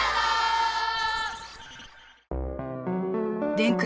電空。